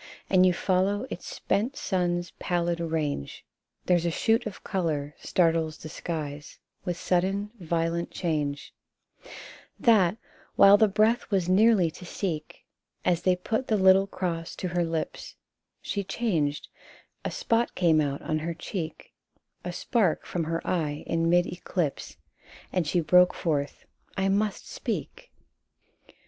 And you follow its spent sun's pallid range, There's a shoot of colour startles the skies With sudden, violent change, — That, while the breath was nearly to seek, As they put the little cross to her lips, She changed ; a spot came out on her cheek, A spark from her eye in mid eclipse, And she broke forth, " I must speak